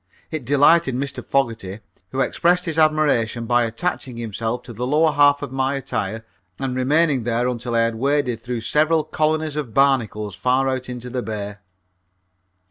It delighted Mr. Fogerty, who expressed his admiration by attaching himself to the lower half of my attire and remaining there until I had waded through several colonies of barnacles far out into the bay.